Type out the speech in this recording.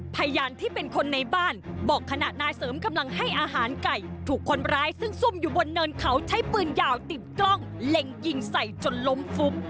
พยานที่เป็นคนในบ้านบอกขณะนายเสริมกำลังให้อาหารไก่ถูกคนร้ายซึ่งซุ่มอยู่บนเนินเขาใช้ปืนยาวติดกล้องเล็งยิงใส่จนล้มฟุบ